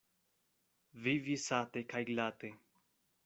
Vivi sate kaj glate.